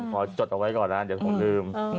จดเอาไว้ก่อนนะเดี๋ยวผมลืม